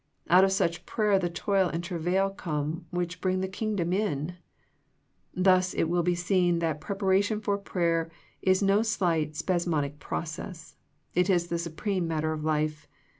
Out of such prayer the toil and travail come which bring the Kingdom in. Thus it will be seen that preparation for prayer is no slight, spasmodic process. It is the supreme matter of life.